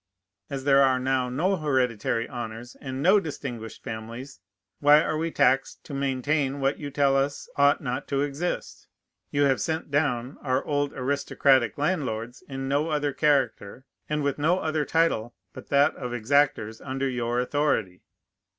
As there are now no hereditary honors and no distinguished families, why are we taxed to maintain what you tell us ought not to exist? You have sent down our old aristocratic landlords in no other character and with no other title but that of exactors under your authority.